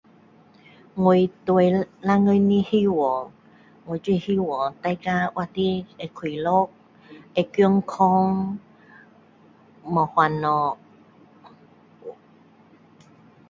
我对以后的希望我就是希望大家活得会快乐会健康没烦恼